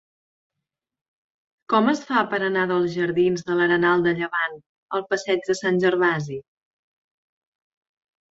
Com es fa per anar dels jardins de l'Arenal de Llevant al passeig de Sant Gervasi?